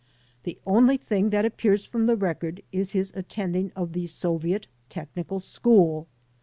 The only thing that appears from the record is his attending of the Soviet Technical School.